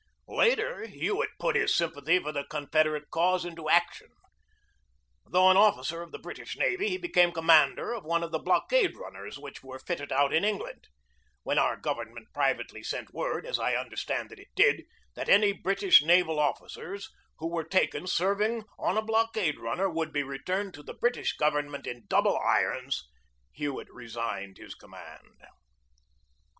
Later Hewett put his sympathy for the Con federate cause into action. Though an officer of the British navy, he became commander of one of the blockade runners which were fitted out in Eng land. When our government privately sent word, as I understand that it did, that any British naval officers who were taken serving on a blockade runner 84 GEORGE DEWEY would be returned to the British government in double irons Hewett resigned his command.